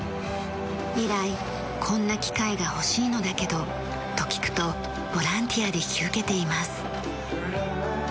以来「こんな機械が欲しいのだけど」と聞くとボランティアで引き受けています。